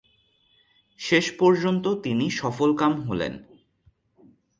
শেষ পর্যন্ত তিনি সফলকাম হলেন।